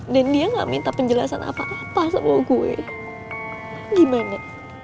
dan dia gak minta penjelasan apa apa sama gue gimana